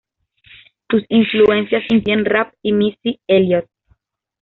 Sus influencias incluyen rap y Missy Elliott.